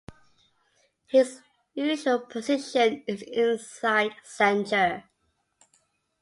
His usual position is inside centre.